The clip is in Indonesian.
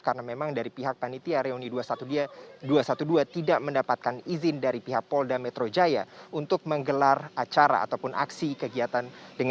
karena memang dari pihak panitia reuni dua ratus dua belas tidak mendapatkan izin dari pihak polda metro jaya untuk menggelar acara ataupun aksi kegiatan